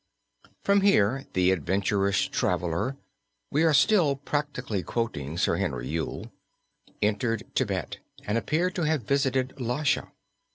From here the adventurous traveler (we are still practically quoting Sir Henry Yule) entered Thibet and appears to have visited Lhasa.